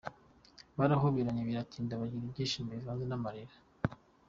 Barahoberanye biratinda bagira ibyishimo bivanze n'amarira.